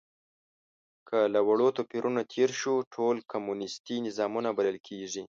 که له وړو توپیرونو تېر شو، ټول کمونیستي نظامونه بلل کېږي.